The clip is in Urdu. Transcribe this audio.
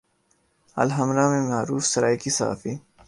الحمرا میں معروف سرائیکی صحافی